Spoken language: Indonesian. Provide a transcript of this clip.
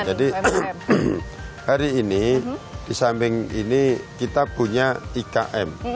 jadi hari ini disamping ini kita punya ikm